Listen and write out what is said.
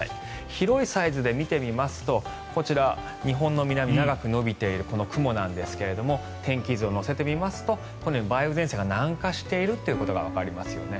広いサイズで見てみますとこちら、日本の南長く延びている雲なんですが天気図を乗せてみますとこのように梅雨前線が南下しているということがわかりますよね。